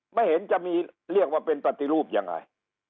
ไม่เห็นจะมีเรียกว่าเป็นปฏิรูปยังไง